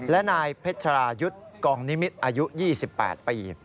และนายเพชรรายุทธ์กองนิมิตรอายุ๒๘ปี